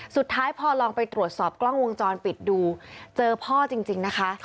สุดท้ายพอลองไปตรวจสอบกล้องวงจรปิดดูเจอพ่อจริงนะคะ